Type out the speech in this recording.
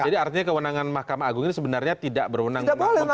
jadi artinya kewenangan makamanggung ini sebenarnya tidak berwenang memperberat hukumannya